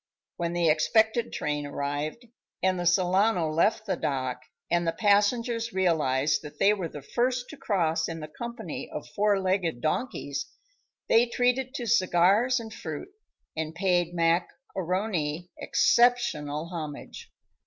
When the expected train arrived and the Solano left the dock and the passengers realized that they were the first to cross in the company of four legged donkeys, they treated to cigars and fruit and paid Mac A'Rony exceptional homage.